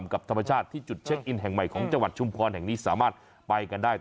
กับธรรมชาติที่จุดเช็คอินแห่งใหม่ของจังหวัดชุมพรแห่งนี้สามารถไปกันได้